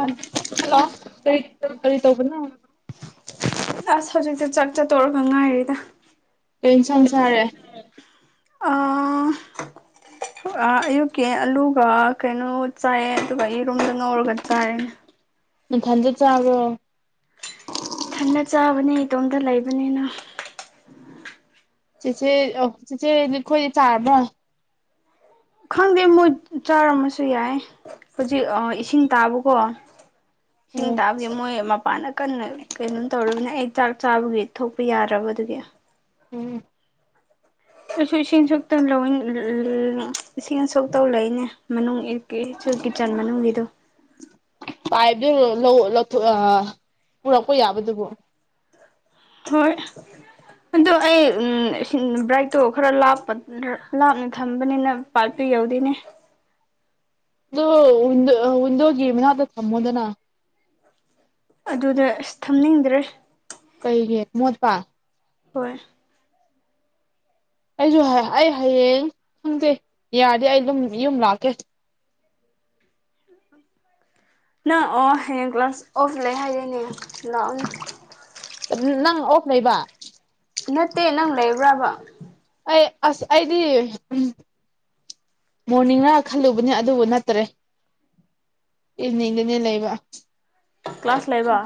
ꯑꯁ ꯍꯜꯂꯣ ꯀꯔꯤ ꯀꯔꯤ ꯇꯧꯕꯅꯣ ꯑꯁ ꯍꯧꯖꯤꯛꯁꯦ ꯆꯥꯛ ꯆꯠꯇꯧꯔꯒ ꯉꯥꯏꯔꯤꯗ ꯀꯩ ꯏꯟꯁꯥꯡ ꯆꯥꯔꯦ ꯑꯥ [unintelligible] ꯑ ꯑꯌꯨꯛꯀꯤ ꯑꯂꯨꯒ ꯀꯩꯅꯣ ꯆꯥꯏꯑꯦ ꯑꯗꯨꯒ ꯌꯦꯔꯨꯝꯗꯣ ꯉꯧꯔꯒ ꯆꯥꯢ ꯅꯊꯟꯗ ꯆꯥꯕ꯭ꯔꯣ ꯏꯊꯟꯇ ꯆꯥꯕꯅꯤ ꯏꯇꯣꯝꯇ ꯂꯩꯕꯅꯤꯅ ꯆꯦꯆꯦ ꯑꯣ ꯆꯦꯆꯦ ꯅꯈꯣꯏꯗꯤ ꯆꯥꯔꯕ꯭ꯔꯣ ꯈꯪꯗꯦ ꯃꯣꯏ ꯆꯥꯔꯝꯃꯁꯨ ꯌꯥꯏ ꯍꯧꯖꯤꯛ ꯑ ꯏꯁꯤꯡ ꯇꯥꯕꯀꯣ ꯏꯁꯤꯡ ꯎꯝ ꯇꯥꯕꯒꯤ ꯃꯣꯏ ꯃꯄꯥꯟꯗ ꯀꯟꯅ ꯀꯩꯅꯣꯝ ꯇꯧꯔꯨꯕꯅꯦ ꯑꯩ ꯆꯥꯛ ꯆꯥꯕꯒꯤ ꯊꯣꯛꯄ ꯌꯥꯗ꯭ꯔꯕ ꯑꯗꯨꯒꯤ ꯎꯝ ꯑꯩꯁꯨ ꯏꯁꯤꯡ ꯁꯣꯛꯇꯧ [unintelligible] ꯏꯁꯤꯡ ꯁꯣꯛꯇꯧ ꯂꯩꯅꯦ ꯃꯅꯨꯡ [unintelligible] ꯁꯨ ꯀꯤꯆꯟ ꯃꯅꯨꯡꯒꯤꯗꯣ ꯄꯥꯏꯞꯇ ꯂꯧ [unintelligible] ꯄꯨꯔꯛꯄ ꯌꯥꯕꯗꯨꯕꯨ ꯍꯣꯏ ꯑꯗꯨ ꯑꯩ ꯎꯝ ꯕ꯭ꯔꯥꯏꯛꯇꯣ ꯈꯔ ꯂꯥꯞꯄ [unintelligible] ꯂꯥꯞꯅ ꯊꯝꯕꯅꯤꯅ ꯄꯥꯏꯞꯇꯨ ꯌꯧꯗꯦꯅꯦ ꯑꯗꯣ ꯋꯤꯟꯗꯣ ꯋꯤꯟꯗꯣꯒꯤ ꯃꯅꯥꯛꯇ ꯊꯃꯣꯗꯅ [inaudible] ꯑꯗꯨꯗ ꯑꯁ ꯊꯝꯅꯤꯡꯗ꯭ꯔꯦ ꯀꯩꯒꯤ ꯃꯣꯗꯄ ꯍꯣꯏ ꯑꯩꯁꯨ ꯑꯩ ꯍꯌꯦꯡ ꯈꯪꯗꯦ ꯌꯥꯔꯗꯤ ꯑꯩꯗꯨꯝ ꯌꯨꯝ ꯂꯥꯛꯀꯦ ꯅꯪ ꯑꯣ ꯍꯌꯦꯡ ꯀ꯭ꯂꯥꯁ ꯑꯣꯐ ꯂꯩ ꯍꯥꯏꯗꯤꯏꯅꯦ ꯂꯥꯛꯑꯣꯅꯦ ꯅꯪ ꯑꯣꯐ ꯂꯩꯕ ꯅꯠꯇꯦ ꯅꯪ ꯂꯩꯕ꯭ꯔꯕ ꯑꯩ ꯑꯁ ꯑꯩꯗꯤ ꯃꯣꯔꯅꯤꯡꯅ ꯈꯜꯂꯨꯕꯅꯤ ꯑꯗꯨꯕꯨ ꯅꯠꯇꯔꯦ ꯏꯅꯤꯗꯅꯦ ꯂꯩꯕ ꯀ꯭ꯂꯥꯁ ꯂꯩꯕ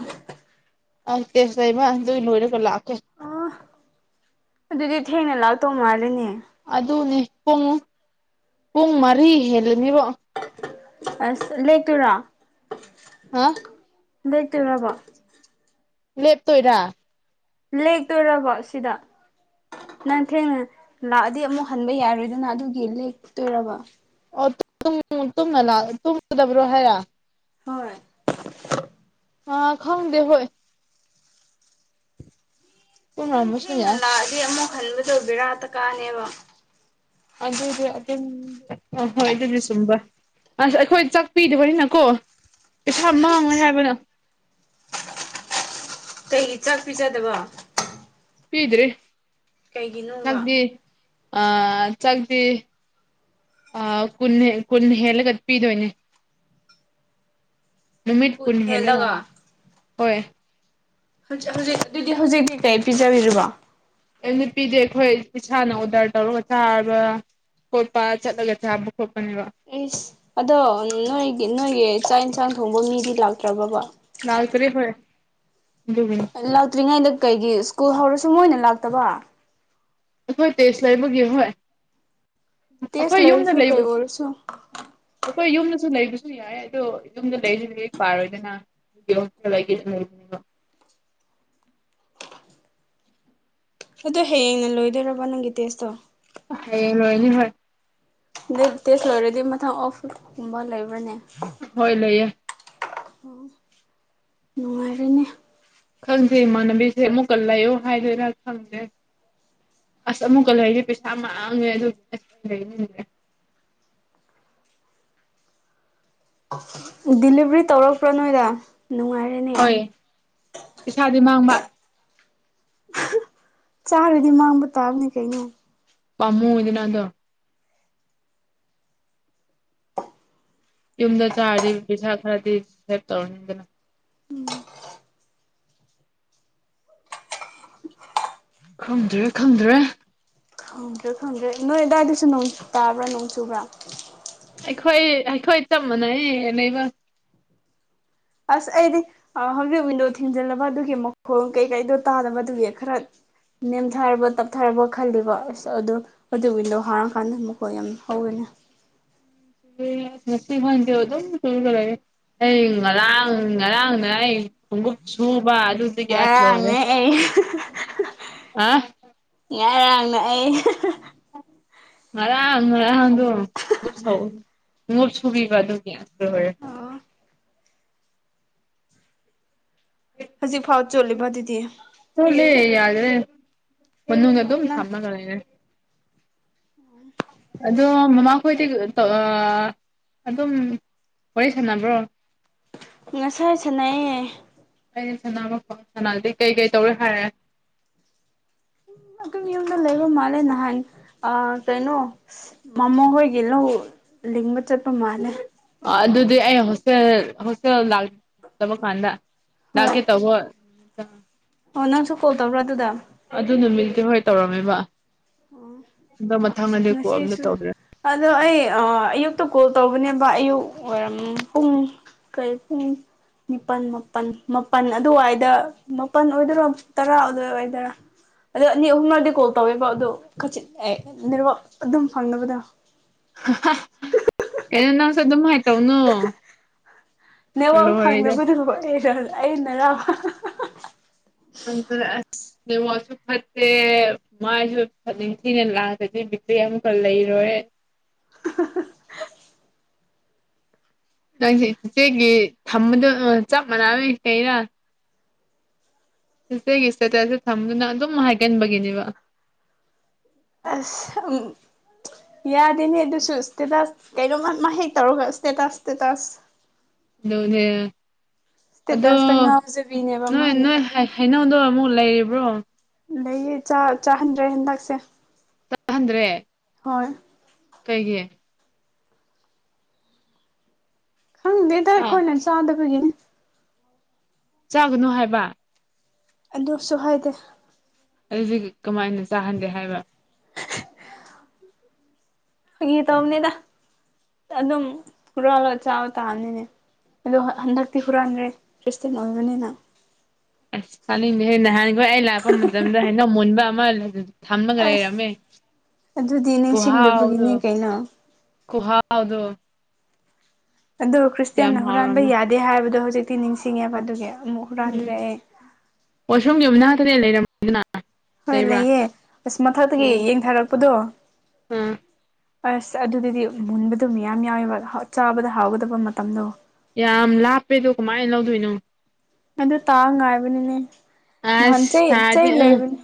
ꯑ ꯇꯦꯁ ꯂꯩꯕ ꯑꯗꯨ ꯂꯣꯏꯔꯒ ꯂꯥꯛꯀꯦ ꯑꯣ ꯑꯗꯨꯗꯤ ꯊꯦꯡꯅ ꯂꯥꯛꯇꯧ ꯃꯥꯜꯂꯦꯅꯦ ꯑꯗꯨꯅꯦ ꯄꯨꯡ ꯄꯨꯡ ꯃꯔꯤ ꯍꯦꯜꯂꯅꯤꯕꯣ ꯑꯁ ꯂꯦꯛꯇꯣꯏꯔꯣ ꯍꯥꯥ ꯂꯦꯛꯇꯧꯔꯕꯣ ꯂꯦꯞꯇꯣꯏꯔꯥ ꯂꯦꯛꯇꯣꯏꯔꯕ ꯁꯤꯗ ꯅꯪ ꯊꯦꯡꯅ ꯂꯥꯛꯑꯗꯤ ꯑꯃꯨꯛ ꯍꯟꯕ ꯌꯥꯔꯣꯏꯗꯅ ꯑꯗꯨꯒꯤ ꯂꯦꯛꯇꯣꯏꯔꯕ ꯑꯣ [unintelligible] ꯇꯨꯝꯗꯕ꯭ꯔꯣ ꯍꯥꯏꯔ ꯍꯣꯏ ꯑ ꯈꯪꯗꯦ ꯍꯣꯏ ꯅꯪ ꯇꯨꯝꯔꯝꯕꯁꯨ ꯊꯦꯡꯅ ꯌꯥꯏ ꯂꯥꯛꯑꯗꯤ ꯑꯃꯨꯛ ꯍꯜꯂꯥꯗꯣ ꯕꯦꯔꯥꯠꯇ ꯀꯥꯅꯦꯕ ꯑꯗꯨꯗꯤ ꯑꯗꯨꯝ ꯑ ꯍꯣꯏ ꯑꯗꯨꯗꯤ ꯁꯨꯝꯕ ꯑꯁ ꯑꯩꯈꯣꯏ ꯆꯥꯛꯄꯤꯗꯕꯅꯤꯅꯀꯣ ꯄꯩꯁꯥ ꯃꯥꯡꯉꯣꯏ ꯍꯥꯏꯕꯅ ꯀꯩ ꯆꯥꯛꯄꯤꯖꯗꯕ ꯆꯄꯤꯗ꯭ꯔꯤ ꯀꯩꯒꯤꯅꯣꯕ [unintelligible] ꯑꯥ ꯆꯥꯛꯇꯤ ꯑꯥ ꯀꯨꯟ ꯀꯨꯟ ꯍꯦꯜꯂꯒ ꯄꯤꯗꯣꯏꯅꯦ ꯅꯨꯃꯤꯠ ꯀꯨꯟ ꯍꯦꯜꯒ ꯍꯣꯏ [unintelligible] ꯍꯧꯖꯤꯛ ꯑꯗꯨꯗꯤ ꯍꯧꯖꯤꯛꯇꯤ ꯀꯩ ꯄꯤꯖꯕꯤꯔꯤꯕꯣ [unintelligible] ꯑꯩꯈꯣꯏ ꯏꯁꯥꯅ ꯑꯣꯔꯗꯔ ꯇꯧꯔꯒ ꯊꯥꯔꯕ꯭ꯔꯥ ꯈꯣꯠꯄ ꯆꯠꯂꯒ ꯆꯥꯕ ꯈꯣꯠꯄꯅꯦꯕ ꯑꯦꯁ ꯑꯗꯣ ꯅꯣꯏꯒꯤ ꯅꯣꯏꯒꯤ ꯆꯥꯛ ꯌꯦꯟꯁꯥꯡ ꯊꯣꯡꯕ ꯃꯤꯗꯤ ꯂꯥꯛꯇ꯭ꯔꯕ ꯕꯥ ꯂꯛꯇꯔꯤ ꯐꯥꯌꯦ [unintelligible] ꯂꯥꯛꯇ꯭ꯔꯤꯉꯩꯗ ꯀꯩꯒꯤ ꯁ꯭ꯀꯨꯜ ꯍꯧꯔꯁꯨ ꯃꯣꯏꯅ ꯂꯥꯛꯇꯕ ꯑꯩꯈꯣꯏ ꯇꯦꯁ ꯂꯩꯕꯒꯤ ꯍꯣꯏ ꯑꯩꯈꯣꯏ ꯇꯦꯁ ꯌꯨꯝꯗ ꯂꯩꯔꯁꯨ ꯀꯩ ꯂꯩꯕ ꯑꯣꯏꯔꯁꯨ ꯑꯩꯈꯣꯏ ꯌꯨꯝꯗꯁꯨ ꯂꯩꯕꯁꯨ ꯌꯥꯏ ꯑꯗꯣ ꯌꯨꯝꯗ ꯂꯩꯔꯤꯛ ꯄꯥꯔꯣꯏꯗꯅ [unintelligible] ꯑꯗꯨꯗꯣ ꯍꯌꯦꯡꯅ ꯂꯣꯏꯗꯣꯏꯔꯕ ꯅꯪꯒꯤ ꯇꯦꯁꯇꯣ ꯍꯌꯦ ꯂꯣꯏ ꯍꯣꯏ ꯑ ꯇꯦꯁ ꯑꯣꯏꯔꯗꯤ ꯃꯊꯪ ꯑꯣꯐꯀꯨꯝꯕ ꯂꯩꯕ꯭ꯔꯅꯦ ꯍꯣꯏ ꯂꯩꯌꯦꯦ ꯑꯣ ꯅꯨꯡꯉꯥꯏꯔꯦꯅꯦ ꯈꯪꯁꯦ ꯏꯃꯥꯟꯅꯕꯤꯁꯦ ꯑꯃꯨꯛꯀꯟ ꯂꯥꯛꯌꯣ ꯍꯥꯏꯗꯣꯏꯔꯥ ꯈꯪꯗꯦ ꯑꯁ ꯑꯃꯨꯛꯀ ꯂꯩꯔꯤ ꯄꯩꯁꯥ ꯃꯥꯡꯉꯦ ꯑꯗꯨ ꯑꯁ ꯂꯩꯅꯤꯡꯗ꯭ꯔꯦ ꯗꯤꯂꯤꯚꯔꯤ ꯇꯧꯔꯛꯄ꯭ꯔꯥ ꯅꯣꯏꯗ ꯅꯨꯡꯉꯥꯏꯔ ꯍꯣꯏ ꯏꯁꯥꯗꯤ ꯃꯥꯡꯕ ꯆꯥꯔꯨꯗꯤ ꯃꯥꯡꯕ ꯇꯥꯕꯅꯤ ꯀꯩꯅꯣ ꯄꯃꯨ ꯏꯅ ꯑꯗꯨꯣ ꯌꯨꯝꯗ ꯆꯥꯔꯤꯕ ꯄꯩꯁꯥ ꯈꯔꯗꯤ ꯁꯦꯞ ꯇꯧꯔꯅꯤꯗꯅ ꯈꯪꯗ꯭ꯔꯦ ꯈꯪꯗ꯭ꯔꯦ꯫ ꯈꯝꯖꯦ ꯈꯪꯖꯦ ꯅꯣꯏ ꯗꯥꯗꯤꯁꯨ ꯅꯣꯡ ꯇꯥꯕ꯭ꯔꯥ ꯅꯣꯡ ꯆꯨꯕ꯭ꯔꯥ ꯑꯩꯈꯣꯏ ꯑꯩꯈꯣꯏ ꯆꯝ ꯃꯅꯩ ꯂꯩꯕ ꯑꯁ ꯑꯩꯗꯤ ꯍꯧꯖꯤꯛ ꯋꯤꯟꯗꯣ ꯊꯤꯡꯖꯤꯜꯂꯕ ꯑꯗꯨꯒꯤ ꯃꯈꯣꯜ ꯀꯩꯀꯩꯗꯣ ꯇꯥꯗꯕꯗꯨꯒꯤ ꯈꯔ ꯅꯦꯝꯊꯔꯕꯣ ꯇꯞꯊꯔꯕ ꯈꯜꯂꯤꯕ ꯑꯁ ꯑꯗꯣ ꯑꯗꯨꯒꯤꯗꯣ ꯍꯥꯡꯔ ꯀꯥꯟꯗ ꯑꯃꯨꯛꯀꯣꯏ ꯌꯥꯝ ꯍꯧꯒꯅꯤ ꯃ ꯐꯗꯦ ꯑꯗꯨꯝ ꯆꯨꯔꯒ ꯂꯩꯔꯦ ꯑꯩ ꯉꯔꯥꯡ ꯉꯔꯥꯡꯅ ꯑꯩ ꯈꯣꯡꯎꯞ ꯁꯨꯕ ꯑꯗꯨꯗꯒꯤ ꯑꯁ ꯂꯣꯏꯔꯦ ꯉꯔꯥꯡꯅꯦ ꯑꯩ ꯑ ꯏ ꯉꯥꯏ ꯑꯔꯥꯡꯅ ꯑꯩ ꯉꯔꯥꯡ ꯉꯔꯥꯡꯗꯣꯣꯠ ꯁꯨꯕꯤꯕ ꯑꯗꯨꯒꯤ ꯌꯥꯝ ꯂꯔꯦ ꯑꯣ ꯍꯧꯖꯤꯛꯐꯥꯎ ꯆꯣꯜꯂꯤꯕ ꯑꯗꯨꯗꯤ ꯁꯂꯦ ꯌꯥꯔꯦ ꯄꯨꯟꯅꯨꯒ ꯑꯗꯨꯝ ꯅꯪ ꯆꯝꯃ ꯀꯅꯦꯦ ꯑꯗꯣ ꯃꯃꯥꯈꯣꯏꯗꯤ ꯑꯗꯨꯝ ꯋꯥꯔꯤꯣꯔ ꯁꯥꯟꯅꯕ꯭ꯔꯣ ꯉꯁꯥꯏꯁꯤꯅꯌꯦ ꯑꯩꯗꯤ ꯁꯅꯥ ꯃꯈꯣ ꯁꯅꯥꯗꯤ ꯀꯩ ꯀꯩ ꯇꯧꯔꯦ ꯍꯥꯏꯔꯦ ꯝ ꯌꯨꯝꯗ ꯂꯩꯕ ꯃꯥꯜꯂꯦ ꯅꯍꯥꯟ ꯑ ꯀꯩꯅꯣ ꯃꯃꯣ ꯍꯣꯏꯒꯤ ꯂꯧ ꯂꯤꯡꯕ ꯆꯠꯄ ꯃꯥꯜꯂꯦ ꯑ ꯑꯗꯨꯗꯤ ꯑꯩ ꯍꯣꯁꯇꯦꯜ ꯍꯣꯁꯇꯦꯜ ꯂꯥꯛꯇꯕ ꯀꯥꯟꯗ ꯂꯀꯦ ꯍꯣꯏ ꯇꯧꯕꯣ꯫ ꯑꯣ ꯅꯪꯁꯨ ꯀꯣꯜ ꯇꯧꯕ꯭ꯔꯥ ꯑꯗꯨꯗ ꯑꯗꯨ ꯅꯨꯃꯤꯠꯇꯠꯇꯤ ꯍꯣꯏ ꯇꯧꯔꯝꯃꯦꯕ ꯑꯣ ꯑꯗꯣ ꯃꯊꯪꯗꯗꯤ ꯀꯣ ꯑꯝꯇ ꯉꯁꯤꯁꯨ ꯇꯧꯗ꯭ꯔꯦ ꯑꯗꯣ ꯑꯩ ꯑꯌꯨꯛꯇ ꯀꯣꯜ ꯇꯧꯕꯅꯦꯕ ꯑꯌꯨꯛ ꯋꯥꯔꯝ ꯄꯨꯡ ꯀꯩꯁ ꯄꯥꯜ ꯃꯥꯄꯜ ꯃꯥꯄꯜ ꯑꯗꯨꯋꯥꯏꯗ ꯃꯥꯄꯜ ꯑꯣꯏꯗꯣꯏꯔꯥ ꯇꯔꯥ ꯑꯗꯨꯋꯥꯏ ꯑꯣꯏꯗꯣꯏꯔꯥ ꯑꯣ ꯑꯅꯤ ꯑꯍꯨꯝꯂꯗꯤ ꯀꯣꯜ ꯇꯧꯋꯦꯕ ꯑꯗꯨꯣ ꯀꯆ ꯅꯤꯔ ꯑꯗꯨꯝ ꯐꯪꯅꯕꯗ ꯀꯅ ꯁꯗ ꯃꯥ ꯅꯦꯠꯋꯥꯛ ꯂꯣꯏꯔꯦꯗ ꯐꯪꯅꯕꯗꯨꯕꯨꯩꯅ ꯑ ꯅꯔꯥꯕ ꯋꯥꯁ ꯐꯦ ꯃꯥꯏꯁꯨ ꯅꯤꯡꯊꯤꯅ ꯂꯥꯛꯒꯗꯤ ꯕꯤꯛꯇ꯭ꯔꯤ ꯑꯃꯨꯛꯀ ꯂꯩꯔꯣꯏ ꯅꯪꯁꯦ ꯏꯆꯦꯒꯤ ꯊꯝꯕꯗꯣ ꯆꯞ ꯃꯥꯟꯅꯩ ꯀꯔ ꯏꯆꯦꯒꯤ ꯏꯁꯇꯦꯇꯁꯁꯦ ꯊꯝꯗꯨꯅ ꯑꯗꯨꯝ ꯍꯥꯏꯒꯟꯕꯒꯤꯅꯦꯕ ꯑ ꯌꯥꯗꯦꯅꯦ ꯑꯗꯨꯁꯨ ꯏꯁꯇꯦꯇꯁ ꯀꯩꯅꯣꯃ ꯃꯥ ꯍꯦꯛ ꯇꯧꯔꯒ ꯏꯁꯇꯦꯇꯥꯁ ꯏꯁꯇꯦꯇꯁ ꯑꯣꯅꯦ ꯑꯗꯣ ꯏꯁꯇꯦꯇꯁꯇ ꯉꯥꯎꯖꯕꯤꯅꯦꯕ ꯅꯣꯏ ꯃꯥꯅꯤ ꯅꯣꯏ ꯍꯥꯏ ꯍꯩꯅꯧꯗꯣ ꯑꯃꯨꯛ ꯂꯩꯔꯤꯕ꯭ꯔꯣ ꯂꯩꯌꯦ ꯆꯥ ꯆꯥꯍꯟꯗ꯭ꯔꯦ ꯍꯟꯗꯛꯁꯦ ꯆꯥꯍꯟꯗ꯭ꯔꯦ ꯍꯣꯏ ꯀꯩꯒꯤ ꯈꯪꯗꯦꯗ ꯑꯥ ꯑꯩꯈꯣꯏꯅ ꯆꯥꯗꯕꯒꯤꯅꯤ ꯆꯥꯒꯅꯨ ꯍꯥꯏꯕ ꯑꯗꯨꯁꯨ ꯍꯥꯏꯗꯦ ꯑꯗꯨꯗꯤ ꯀꯃꯥꯏꯅ ꯆꯥꯍꯟꯗꯦ ꯍꯥꯏꯕ ꯐꯒꯤ ꯇꯧꯕꯅꯤꯗ ꯑꯗꯨꯝ ꯍꯨꯔꯥꯜꯂꯒ ꯆꯥꯕ ꯇꯥꯕꯅꯤꯅꯦ ꯑꯗꯣ ꯍꯟꯗꯛꯇꯤ ꯍꯨꯔꯥꯟꯈꯔꯦ ꯈ꯭ꯔꯤꯁꯇꯦꯟ ꯑꯣꯏꯕꯅꯤꯅ ꯑꯁ ꯆꯥꯅꯤꯡꯉꯤꯍꯦ ꯅꯍꯥꯟꯈꯣꯏ ꯑꯩ ꯂꯥꯛꯄ ꯃꯇꯝꯗ ꯍꯩꯅꯧ ꯃꯨꯟꯕ ꯑꯃ ꯑꯗꯨꯗꯤ ꯊꯝꯂꯒ ꯑꯁ ꯂꯩꯔꯝꯃꯦ ꯑꯗꯨꯗꯤ ꯈꯨꯍꯥꯎꯗꯣ ꯅꯤꯡꯁꯤꯡꯗꯕꯒꯤꯅꯤ ꯀꯩꯅꯣ ꯈꯨꯍꯥꯎ ꯍꯥꯎꯗꫭ ꯑꯗꯨ ꯌꯥꯝ ꯈ꯭ꯔꯤꯁꯇꯦꯟꯅ ꯍꯨꯔꯥꯟꯕ ꯍꯥꯎꯔꯝꯃꯦ ꯌꯥꯗꯦ ꯍꯥꯏꯕꯗꯣ ꯍꯧꯖꯤꯛꯇꯤ ꯅꯤꯡꯁꯤꯡꯉꯦꯕ ꯑꯗꯨꯒꯤ ꯑꯃꯨꯛ ꯎꯝ ꯍꯨꯔꯥꯟꯗ꯭ꯔꯦ ꯑꯩ ꯋꯥꯁꯔꯨꯝꯒꯤ ꯃꯅꯥꯛꯇꯅꯦ ꯂꯩꯔꯝꯃꯤꯗꯨꯅ ꯍꯣꯏ ꯂꯩꯌꯦ ꯑꯁ ꯃꯊꯛꯇꯒꯤ ꯌꯦꯡꯊꯔꯛꯄꯗꯣ ꯎꯝ ꯑꯁ ꯑꯗꯨꯗꯤ ꯃꯨꯟꯕꯗꯨ ꯃꯌꯥꯝ ꯌꯥꯎꯋꯦꯕ ꯆꯥꯕꯗ ꯍꯥꯎꯒꯗꯕ ꯃꯇꯝꯗꯣ ꯌꯥꯝ ꯂꯥꯞꯄꯦꯗꯣ ꯀꯃꯥꯏ ꯂꯧꯗꯣꯏꯅꯣ ꯑꯗꯨ ꯇꯥ ꯉꯥꯏꯕꯅꯤꯅꯦ ꯅꯍꯥꯟ ꯑꯁ ꯆꯩ ꯇꯥꯔꯗꯤ ꯆꯩ ꯑ ꯂꯩꯕꯅꯦ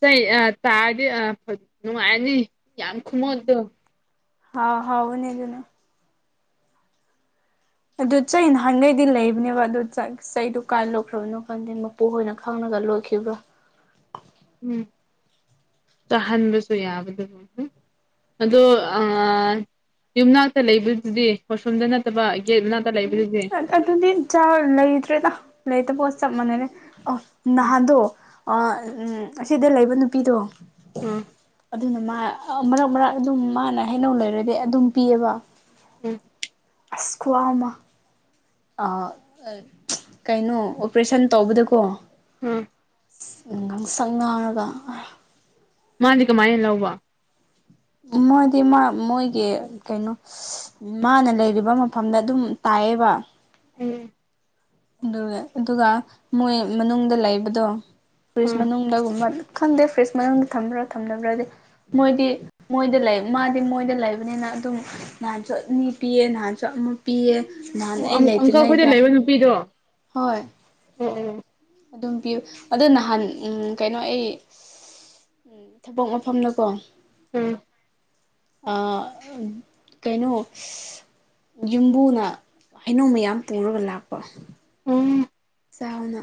ꯆꯩ ꯑꯥ ꯇꯥꯔꯗꯤ ꯑ ꯅꯨꯡꯉꯥꯏꯔꯅꯤ ꯌꯥꯝ ꯈꯨꯃꫭꯠꯇꫭ ꯍ ꯍꯥꯎꯕꯅꯦ ꯑꯗꯨꯅ ꯑꯗꯨ ꯆꯩ ꯅꯍꯥꯟꯒꯩꯗꯤ ꯂꯩꯕꯅꯦꯕ ꯑꯗꯨ ꯆ ꯆꯩꯗꯨ ꯀꯥꯏ ꯂꯣꯏꯈ꯭ꯔꯕꯅꯣ ꯈꯟꯗꯦ ꯃꯄꯨ ꯍꯣꯏꯅ ꯈꯪꯉꯒ ꯂꯣꯏꯈꯤꯕ꯭ꯔꯥ ꯎꯝ ꯆꯥꯍꯟꯕꯁꯨ ꯌꯥꯕꯗꯨꯕꯨ ꯑꯗꯣ ꯑꯥ ꯌꯨꯝꯅꯥꯛꯇ ꯂꯩꯕꯗꯨꯗꯤ ꯋꯥꯁꯔꯨꯝꯗ ꯅꯠꯇꯕ ꯒꯦꯠ ꯃꯅꯥꯛꯇ ꯂꯩꯕꯗꯨꯗꯤ ꯑꯗꯨꯗꯤꯆꯥ ꯂꯩꯇ꯭ꯔꯦꯗ ꯂꯩꯇꯕꯒ ꯆꯞ ꯃꯥꯟꯅꯔꯦ ꯑ ꯅꯍꯥꯟꯗꯣ ꯑ ꯎꯝ ꯑꯁꯤꯗ ꯂꯩꯕ ꯅꯨꯄꯤꯗꯣ ꯎꯝ ꯑꯗꯨꯅ ꯃꯥ ꯃꯔꯛ ꯃꯔꯛ ꯑꯗꯨꯝ ꯃꯥꯅ ꯍꯩꯅꯧ ꯂꯩꯔꯗꯤ ꯑꯗꯨꯝ ꯄꯤꯌꯦꯕ ꯎꯝ ꯑꯁ ꯈꯨꯍꯥꯎꯃ ꯑꯥ ꯀꯩꯅꯣ ꯑꯣꯄꯔꯦꯁꯟ ꯇꯧꯕꯗꯀꯣ ꯎꯝ ꯉꯪ ꯁꯪ ꯉꯥꯡꯉꯒ ꯃꯥꯗꯤ ꯀꯃꯥꯏꯅ ꯂꯧꯕ ꯃꯣꯏꯗꯤ ꯃꯥ ꯃꯣꯏꯒꯤ ꯀꯩꯅꯣ ꯃꯥꯅ ꯂꯩꯔꯤꯕ ꯃꯐꯝꯗ ꯑꯗꯨꯝ ꯇꯥꯏꯌꯦꯕ ꯎꯝ ꯑꯗꯨꯒ ꯑꯗꯨꯒ ꯃꯣꯏ ꯃꯅꯨꯡꯗ ꯂꯩꯕꯗꯣ ꯐꯔꯤꯁ ꯎꯝ ꯃꯅꯨꯡꯗꯒꯨꯝꯕ ꯈꯪꯗꯦ ꯐꯔꯤꯁ ꯃꯅꯨꯡ ꯊꯝꯕ꯭ꯔꯥ ꯊꯝꯗꯕ꯭ꯔꯗꯤ ꯃꯣꯏꯗꯤ ꯃꯣꯏꯗ ꯂꯩ ꯃꯥꯗꯤ ꯃꯣꯏꯗ ꯂꯩꯕꯅꯤꯅ ꯑꯗꯨꯝ ꯅꯍꯥꯟꯁꯨ ꯑꯅꯤ ꯄꯤꯌꯦ ꯅꯍꯥꯟꯁꯨ ꯑꯃ ꯄꯤꯌꯦ ꯅꯍꯥꯟ ꯑꯩ ꯂꯩꯇ꯭ꯔꯤꯉꯩꯗ ꯅꯨꯄꯤꯗꫭ ꯍꯣꯏ ꯎꯝ ꯎꯝ ꯑꯗꯨꯝ ꯄꯤꯌꯨ ꯑꯗꯣ ꯅꯍꯥꯟ ꯎꯝ ꯀꯩꯅꯣ ꯑꯩ ꯎꯝ ꯊꯕꯛ ꯃꯐꯝꯗꯀꯣ ꯎꯝ ꯑꯥ ꯀꯩꯅꯣ ꯌꯨꯝꯕꯨꯅ ꯍꯩꯅꯧ ꯃꯌꯥꯝ ꯄꯨꯔꯒ ꯂꯥꯛꯄ ꯎꯝ ꯆꯥꯎꯅ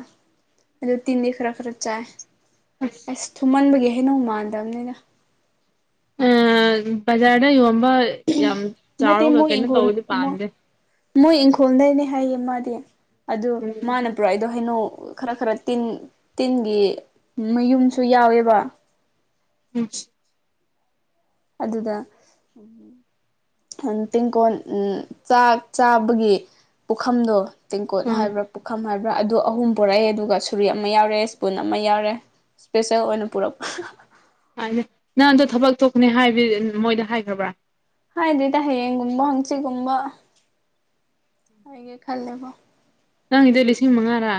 ꯑꯗꯨ ꯇꯤꯟꯗꯤ ꯈꯔ ꯈꯔ ꯆꯥꯏ ꯑꯁ ꯊꯨꯝꯃꯟꯕꯒꯤ ꯍꯩꯅꯧ ꯃꯥꯟꯗꯕꯅꯤꯗ ꯑꯥ ꯕꯖꯥꯔꯗ ꯌꯣꯟꯕ ꯌꯥꯝ ꯅꯠꯇꯦ ꯆꯥꯎꯔꯒ ꯃꯣꯏ ꯀꯩꯅꯣ ꯏꯪꯈꯣꯜ ꯇꯧꯕꯗꯤ ꯄꯥꯝꯗꯦ ꯃꯣꯏ ꯏꯪꯈꯣꯜꯗꯩꯩꯅꯦ ꯍꯥꯏꯌꯦ ꯃꯥꯗꯤ ꯑꯗꯨ ꯎꯝ ꯃꯥꯅ ꯄꯨꯔꯛꯏꯗꯣ ꯍꯩꯅꯣ ꯈꯔ ꯈꯔ ꯇꯤꯟ ꯇꯤꯟꯒꯤ ꯃꯌꯨꯝꯁꯨ ꯌꯥꯎꯋꯦꯕ ꯎꯝ ꯑꯗꯨꯗ ꯇꯦꯡꯀꯣꯟ ꯆꯥꯛ ꯆꯥꯕꯒꯤ ꯄꯨꯈꯝꯗꯣ ꯇꯦꯡꯀꯣꯠ ꯑꯥ ꯍꯥꯏꯕ꯭ꯔꯥ ꯄꯨꯈꯝ ꯍꯥꯏꯕ꯭ꯔꯥ ꯑꯗꯨ ꯑꯍꯨꯝ ꯄꯨꯔꯛꯑꯦ ꯑꯗꯨꯒ ꯁꯨꯔꯤ ꯑꯃ ꯌꯥꯎꯔꯦ ꯏꯁꯄꯨꯟ ꯑꯃ ꯌꯥꯎꯔꯦ ꯏꯁꯄꯤꯁꯦꯜ ꯑꯣꯏꯅ ꯄꯨꯔꯛꯄ ꯍꯥꯏ ꯅꯪꯗꯣ ꯊꯕꯛ ꯊꯣꯛꯀꯅꯦ ꯍꯥꯏꯕꯗꯤ ꯃꯣꯏꯗ ꯍꯥꯏꯈ꯭ꯔꯕ꯭ꯔꯥ ꯍꯥꯏꯗꯦꯗ ꯍꯥꯌꯦꯡꯒꯨꯝꯕ ꯍꯪꯁꯤꯠꯒꯨꯝꯕ ꯍꯥꯏꯒꯦ ꯈꯥꯜꯂꯦꯕꯣ ꯅꯪꯒꯤꯗꯣ ꯂꯤꯁꯤꯡ ꯃꯉꯥꯔꯥ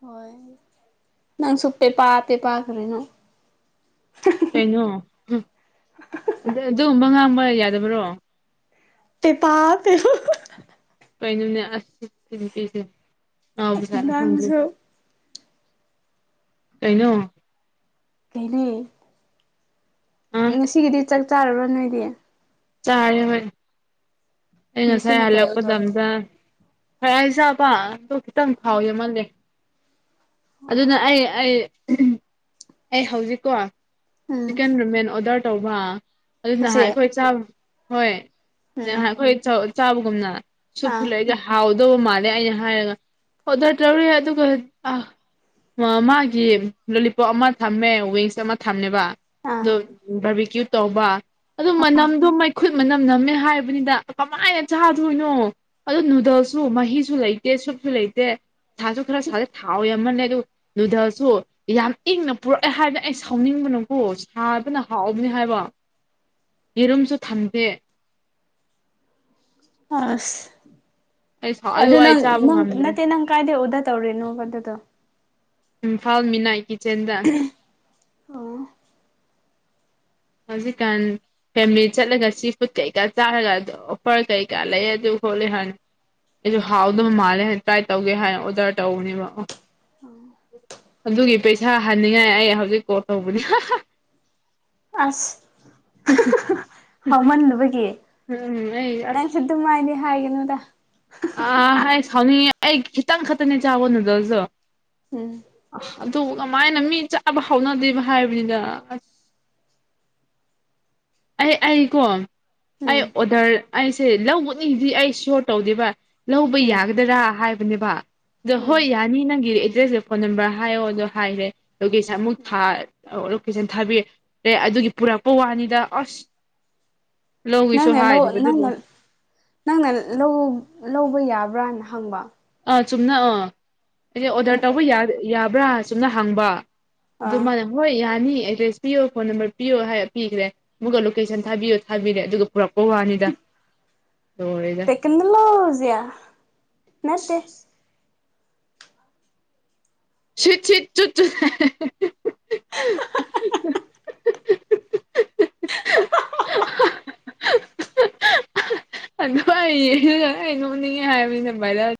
ꯍꯣꯏ ꯅꯪꯁꯨ ꯄꯦꯄꯥ ꯄꯦꯄꯥ ꯀꯔꯤꯅꯣ ꯀꯩꯅꯣ ꯑꯗꯨ ꯑꯗꯨꯒꯨꯝꯕ ꯉꯥꯡꯕ ꯌꯥꯗꯕ꯭ꯔꯣ ꯄꯦꯄꯥ ꯄꯦꯄꯥ ꯀꯩꯅꯣꯅꯦ ꯑꯁ ꯁꯤ ꯅꯨꯄꯤꯁꯦ ꯉꯥꯎꯖꯥꯠꯂ ꯅꯪꯁꯨ ꯈꯪꯗꯦꯅꯦ ꯀꯩꯅꯣ ꯀꯩꯅꯦ ꯑ ꯉꯁꯤꯒꯤꯗꯤ ꯆꯥꯛ ꯆꯥꯔꯕꯥ ꯅꯣꯏꯗꯤ ꯆꯥꯔꯦ ꯍꯣꯏ ꯑꯩ ꯉꯁꯥꯏ ꯉꯁꯤꯅ ꯀꯩ ꯍꯜꯂꯛꯄꯗ ꯑꯗ ꯈꯔ ꯆꯥꯕ ꯑꯗꯣ ꯈꯤꯇꯪ ꯐꯥꯎꯑ ꯃꯥꯜꯂꯦ ꯑꯗꯨꯅ ꯑꯩ ꯑꯩ ꯑꯩ ꯍꯧꯖꯤꯛꯀꯣ ꯎꯝ ꯆꯤꯛꯀꯟ ꯔꯃꯦꯟ ꯑꯣꯔꯗꯔ ꯇꯧꯕ ꯑꯗꯨ ꯅꯍꯥꯟ ꯍꯧꯖꯤꯛ ꯑꯩꯈꯣꯏ ꯆꯥ ꯍꯣꯏ ꯎꯝ ꯑꯩꯈꯣꯏ ꯆꯥꯕꯒꯨꯝꯅ ꯁꯨꯞꯁꯨ ꯑꯥ ꯂꯩꯗ ꯍꯥꯎꯗꯧꯕ ꯃꯥꯜꯂꯦ ꯑꯩꯅ ꯍꯥꯏꯔꯒ ꯑꯣꯗꯔ ꯇꯧꯔꯤ ꯑꯗꯨꯒ ꯑ ꯃꯥꯒꯤ ꯂꯣꯂꯤꯄꯣꯞ ꯑꯃ ꯊꯝꯃꯦ ꯋꯤꯡꯁ ꯑꯃ ꯊꯝꯃꯦꯕ ꯑꯗꯨ ꯑꯥ ꯕꯔꯕꯤꯀ꯭ꯌꯨ ꯇꯧꯕ ꯑꯗꯨ ꯃꯅꯝꯗꯣ ꯃꯩꯈꯨꯠ ꯃꯅꯝ ꯅꯝꯃꯦ ꯍꯥꯏꯕꯅꯤꯗ ꯀꯃꯥꯏꯅ ꯆꯥꯗꯣꯏꯅꯣ ꯑꯗꯨ ꯅꯨꯗꯜꯁꯨ ꯃꯍꯤꯁꯨ ꯂꯩꯇꯦ ꯁꯨꯞꯁꯨ ꯂꯩꯇꯦ ꯁꯥꯁꯨ ꯈꯔ ꯁꯥꯗꯦ ꯊꯥꯎ ꯌꯥꯝꯃꯜꯂꯦ ꯑꯗꯨ ꯅꯨꯗꯜꯁꯨ ꯌꯥꯝ ꯏꯪꯅ ꯄꯨꯔꯛꯑꯦ ꯍꯥꯏꯕ ꯑꯩ ꯁꯥꯎꯅꯤꯡꯕꯅꯀꯣ ꯁꯥꯕꯅ ꯍꯥꯎꯕꯅꯤ ꯍꯥꯏꯕ ꯌꯦꯔꯨꯝꯁꯨ ꯊꯝꯗꯦ ꯑ ꯑꯁ ꯑꯗꯨ ꯑꯩ ꯅꯪ ꯆꯥꯕ ꯅꯪ ꯉꯝꯗ꯭ꯔꯦ ꯅꯠꯇꯦ ꯅꯪ ꯀꯥꯏꯗꯩꯩ ꯑꯣꯔꯗꯔ ꯇꯧꯔꯤꯅꯣꯕ ꯑꯗꯨꯗꯣ ꯏꯝꯐꯥꯜ ꯃꯤꯠꯅꯥꯏꯠ ꯀꯤꯠꯆꯟꯗ ꯑꯣ ꯍꯧꯖꯤꯛꯀꯥꯟ ꯐꯦꯃꯤꯂꯤ ꯆꯠꯂꯒ ꯁꯤ ꯐꯨꯗ ꯀꯩꯀꯥ ꯆꯥꯔꯒ ꯑꯗꯨ ꯑꯣꯐꯔ ꯀꯩꯀꯥ ꯂꯩ ꯑꯗꯨ ꯍꯣꯠꯂ ꯍꯪꯉꯤ ꯑꯩꯁꯨ ꯍꯥꯎꯗꯧꯕ ꯃꯥꯜꯂꯦ ꯇ꯭ꯔꯥꯏ ꯇꯧꯒꯦ ꯍꯥꯏꯅ ꯑꯣꯗꯔ ꯇꯧꯕꯅꯦꯕ ꯑꯣ ꯑꯗꯨꯒꯤ ꯄꯩꯁꯥ ꯍꯟꯅꯤꯡꯉꯥꯏ ꯑꯩ ꯍꯧꯖꯤꯛ ꯀꯣꯜ ꯇꯧꯕꯅꯤ ꯑꯁ ꯍꯥꯎꯃꯟꯗꯕꯒꯤ ꯎꯝ ꯑꯩ ꯅꯪ ꯑꯗꯨꯃꯥꯏꯅꯗꯤ ꯍꯥꯏꯒꯅꯨꯗ ꯑ ꯑꯩ ꯁꯥꯎꯅꯤꯡꯉꯦ ꯑꯩ ꯈꯤꯇꯪ ꯈꯛꯇꯅꯦ ꯆꯥꯕ ꯅꯨꯗꯜꯁꯇꯨ ꯎꯝ ꯑ ꯑꯗꯨ ꯀꯃꯥꯏꯅ ꯃꯤ ꯆꯥꯕ ꯍꯥꯎꯅꯗꯤꯅꯣ ꯍꯥꯏꯕꯅꯤꯗ ꯑꯁ ꯑꯩ ꯑꯩꯀꯣ ꯑꯩ ꯎꯝ ꯑꯣꯗꯔ ꯑꯩꯁꯦ ꯂꯧꯕꯅꯤꯗꯤ ꯑꯩ ꯁꯤꯌꯣꯔ ꯇꯧꯗꯦꯕ ꯂꯧꯕ ꯎꯝ ꯌꯥꯒꯗꯔꯥ ꯍꯥꯏꯕꯅꯦꯕ ꯑꯗꯣ ꯎꯝ ꯍꯣꯏ ꯌꯥ ꯅꯤ ꯅꯪꯒꯤ ꯑꯦꯗ꯭ꯔꯦꯁꯀ ꯐꯣꯟ ꯅꯝꯕꯔ ꯍꯥꯏꯌꯣ ꯑꯗꯣ ꯍꯥꯏꯔꯦ ꯂꯣꯀꯦꯁꯟ ꯑꯃꯨꯛ ꯊꯥ ꯀꯦꯁꯟ ꯊꯥꯕꯤꯔꯦ ꯑꯗꯨꯒꯤ ꯄꯨꯔꯛꯄ ꯋꯥꯅꯤꯗ ꯑꯁ ꯂꯧꯒꯦꯁꯨ ꯅꯪꯅ ꯂꯧ ꯅꯪꯅ ꯍꯥꯏꯗꯕꯗꯨꯕꯨ ꯅꯪꯅ ꯂꯧ ꯂꯧꯕ ꯌꯥꯕ꯭ꯔꯥꯅ ꯍꯪꯕ ꯑꯥ ꯆꯨꯝꯅ ꯑꯥ ꯑꯩꯗꯤ ꯑꯣꯗꯔ ꯇꯧꯕ ꯌꯥꯕ꯭ꯔꯥ ꯆꯨꯝꯅ ꯍꯡꯕ ꯑꯗꯨ ꯑꯥ ꯃꯥꯅ ꯍꯣꯏ ꯌꯥꯅꯤ ꯑꯦꯗ꯭ꯔꯦꯁ ꯄꯤꯌꯣ ꯐꯣꯟ ꯅꯝꯕꯔ ꯄꯤꯌꯣ ꯍꯥꯢꯔ ꯄꯤꯈ꯭ꯔꯦ ꯃꯨꯀ ꯂꯣꯀꯦꯁꯟ ꯊꯥꯕꯤꯌꯣ ꯊꯥꯕꯤꯔꯦ ꯑꯗꯨꯒ ꯄꯨꯔꯛꯄ ꯋꯥꯅꯤꯗ ꯂꯣꯢꯔꯦ ꯀꯅꯣꯂꯣꯖꯤꯌꯥ ꯅꯠꯇꯦ [inaudible] ꯁꯤꯠ ꯁꯤꯠ ꯆꯨꯠ ꯆꯨꯠ [unintelligible] [unintelligible] [unintelligible] ꯑꯗꯨꯃꯥꯢ ꯌꯦꯡꯉꯒ ꯑꯩ ꯅꯣꯛꯅꯤꯡꯉꯦ ꯍꯥꯏꯕꯅꯤꯗ ꯚꯥꯏꯔꯦꯜ